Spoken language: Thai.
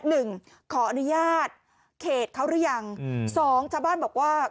หนึ่งขออนุญาตเขตเขาหรือยังอืมสองชาวบ้านบอกว่า